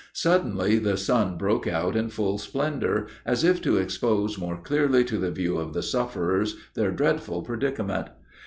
Suddenly the sun broke out in full splendor, as if to expose more clearly to the view of the sufferers their dreadful predicament.